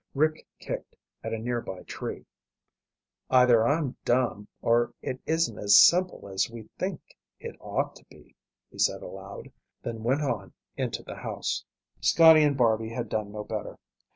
Rick kicked at a near by tree. "Either I'm dumb or it isn't as simple as we think it ought to be," he said aloud, then went on into the house. Scotty and Barby had done no better.